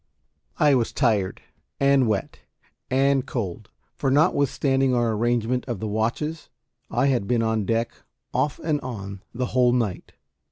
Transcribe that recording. I was tired, and wet, and cold; for, notwithstanding our arrangement of the watches, I had been on deck, off and on, the whole night.